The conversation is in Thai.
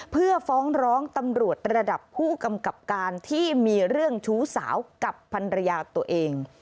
เพื่อฟ้องร้องตำรวจระดับผู้กำกับการที่มีเรื่องชู้สาวกับพันรยาตัวเอง